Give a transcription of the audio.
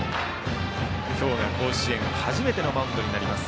今日が甲子園初めてのマウンドになります